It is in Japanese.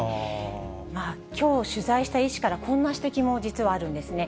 きょう取材した医師から、こんな指摘も実はあるんですね。